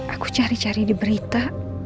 aku cari cari di berita